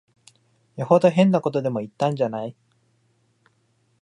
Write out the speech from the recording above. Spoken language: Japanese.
よほど変なことでも言ったんじゃない。